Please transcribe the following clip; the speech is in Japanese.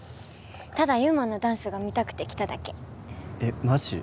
ただ祐馬のダンスが見たくて来ただけえっマジ？